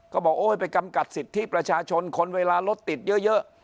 ก็บอกโอ้ยไปกำกัดสิทธิประชาชนคนเวลารถติดเยอะ